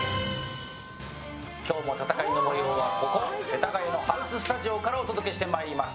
今日も戦いの模様をここ世田谷のハウススタジオからお届けしてまいります。